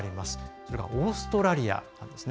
それはオーストラリアなんですね。